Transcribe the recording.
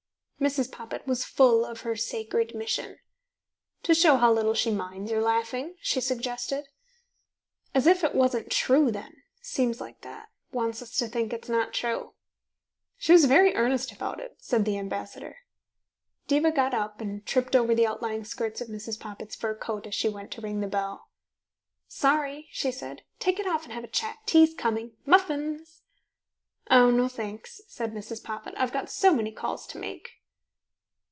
Mrs. Poppit was full of her sacred mission. "To show how little she minds your laughing," she suggested. "As if it wasn't true, then. Seems like that. Wants us to think it's not true." "She was very earnest about it," said the ambassador. Diva got up, and tripped over the outlying skirts of Mrs. Poppit's fur coat as she went to ring the bell. "Sorry," she said. "Take it off and have a chat. Tea's coming. Muffins!" "Oh, no, thanks!" said Mrs. Poppit. "I've so many calls to make."